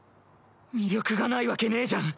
魅力がないわけねぇじゃん。